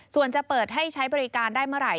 ส่วนจะเปิดให้ใช้บริการได้เมื่อไหร่